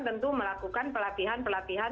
tentu melakukan pelatihan pelatihan